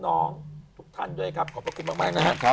ทุกทันด้วยครับขอบพระคุณมากนะฮะ